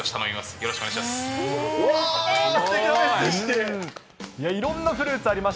よろしくお願いします。